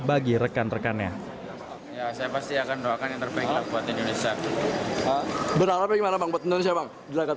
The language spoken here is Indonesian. bagi rakyat timnas indonesia